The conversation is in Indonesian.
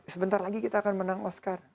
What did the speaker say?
sebentar lagi kita akan menang oscar